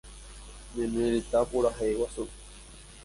Ñane Retã Purahéi Guasu